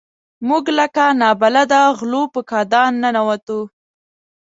موږ لکه نابلده غلو په کادان ننوتو.